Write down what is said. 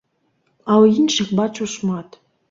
А ў іншых бачыў шмат.